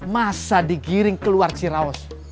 masa digiring keluar ciraos